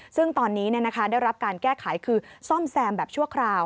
ซึ่งตอนนี้ได้รับการแก้ไขคือซ่อมแซมแบบชั่วคราว